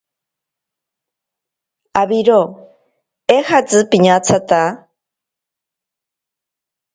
Awiro eejatzi piñatsata.